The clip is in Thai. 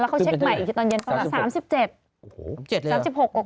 เขาเช็คใหม่อีกทีตอนเย็นประมาณ๓๗